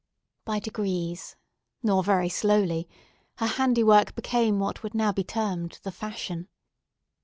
By degrees, not very slowly, her handiwork became what would now be termed the fashion.